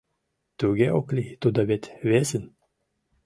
— Туге ок лий, тудо вет весын.